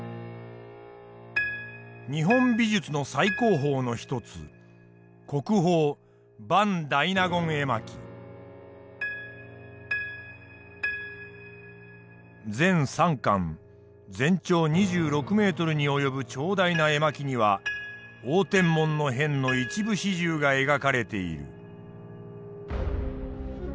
日本美術の最高峰の一つ全３巻全長２６メートルに及ぶ長大な絵巻には応天門の変の一部始終が描かれている。